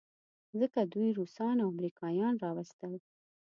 ځکه دوی روسان او امریکایان راوستل.